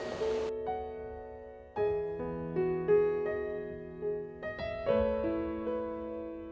ผมคิดว่าสงสารแกครับ